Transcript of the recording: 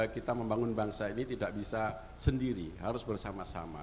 kita membangun bangsa ini tidak bisa sendiri harus bersama sama